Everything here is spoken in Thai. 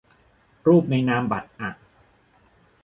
รูปในนามบัตรอ่ะ